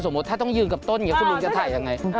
สมมติถ้าต้องยืนกับต้นคุณลุงจะถ่ายยังไง